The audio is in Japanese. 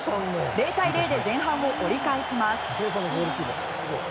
０対０で前半を折り返します。